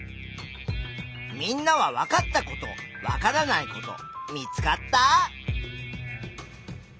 みんなはわかったことわからないこと見つかった？